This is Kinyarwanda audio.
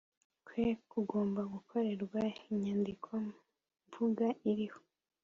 kwe kugomba gukorerwa inyandiko mvugo iriho